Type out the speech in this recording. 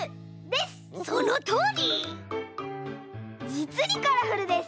じつにカラフルです。